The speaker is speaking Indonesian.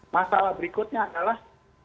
masalah berikutnya adalah